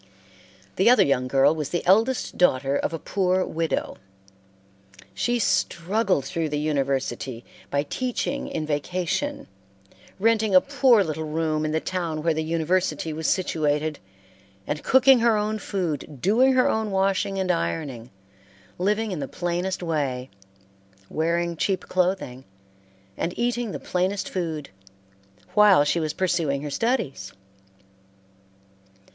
The other young girl was the eldest daughter of a poor widow. She struggled through the university by teaching in vacation; renting a poor little room in the town where the university was situated, and cooking her own food, doing her own washing and ironing, living in the plainest way, wearing cheap clothing, and eating the plainest food, while she was pursuing her studies.